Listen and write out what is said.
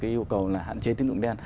cái yêu cầu là hạn chế tín dụng đen